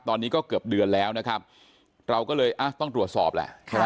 ตอนนี้ก็เกือบเดือนแล้วนะครับเราก็เลยต้องตรวจสอบแหละ